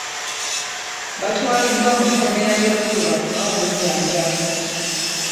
Batwaliddwa mu kkomera ly'e Gulu bafune obujjanjabi.